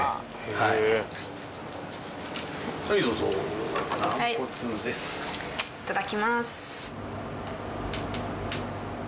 はいいただきます。